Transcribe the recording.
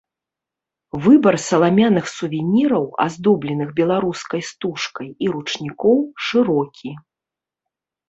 Выбар саламяных сувеніраў, аздобленых беларускай стужкай, і ручнікоў шырокі.